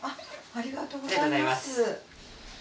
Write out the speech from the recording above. ありがとうございます。